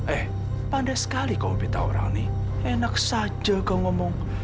eh pandai sekali kau meminta orang ini enak saja kau ngomong